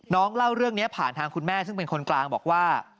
เล่าเรื่องนี้ผ่านทางคุณแม่ซึ่งเป็นคนกลางบอกว่า